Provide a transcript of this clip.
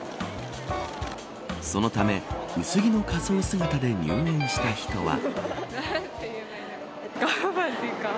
そのため薄着の仮装姿で入園した人は。